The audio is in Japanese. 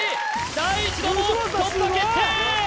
第一の門突破決定！